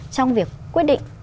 trong việc quyết định